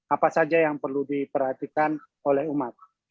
apa saja yang perlu diperhatikan oleh umat